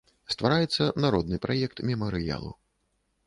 Ствараецца народны праект мемарыялу.